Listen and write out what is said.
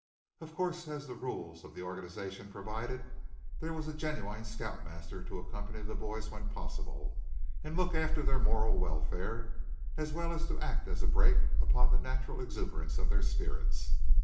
Of course, as the rules of the organization provided, there was a genuine scout master to accompany the boys when possible, and look after their moral welfare; as well as act as a brake upon the natural exuberance of their spirits.